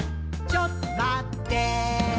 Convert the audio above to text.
ちょっとまってぇー」